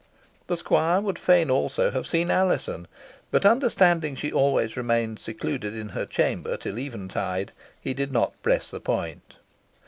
The squire would fain also have seen Alizon, but, understanding she always remained secluded in her chamber till eventide, he did not press the point.